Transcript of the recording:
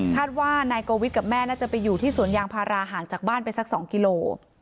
ว่านายโกวิทกับแม่น่าจะไปอยู่ที่สวนยางพาราห่างจากบ้านไปสัก๒กิโล